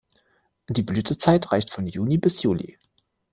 Die Blütezeit reicht von Juni bis Juli.